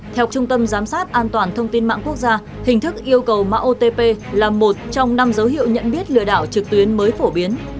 theo trung tâm giám sát an toàn thông tin mạng quốc gia hình thức yêu cầu mạng otp là một trong năm dấu hiệu nhận biết lừa đảo trực tuyến mới phổ biến